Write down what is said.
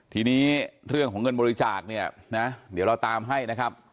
ทีนี้เรื่องของเงินบริจาคเนี่ยนะเดี๋ยวเราตามให้นะครับ